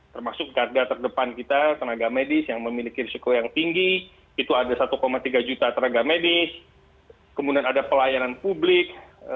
termasuk garda terdepan kita tenaga medis yang memiliki risiko yang tinggi itu ada satu tiga juta tenaga medis kemudian ada pelayanan publik